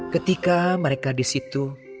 ketika mereka di situ